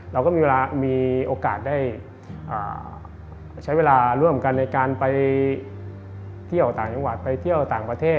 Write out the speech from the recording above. เราก็มีเวลามีโอกาสได้ใช้เวลาร่วมกันในการไปเที่ยวต่างจังหวัดไปเที่ยวต่างประเทศ